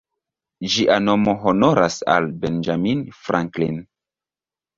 Ĝia nomo honoras al Benjamin Franklin.